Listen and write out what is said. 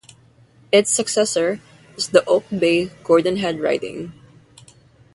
Its successor is the Oak Bay-Gordon Head riding.